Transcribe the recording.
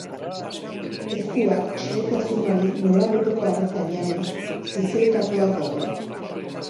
Eskuak, xehetasunari nolabaiteko arreta jarriz zizelkatuak daude.